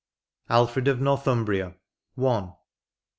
ALFRED OF NORTHUMBRIA. — I.